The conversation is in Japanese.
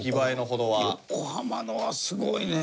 横浜のはすごいね。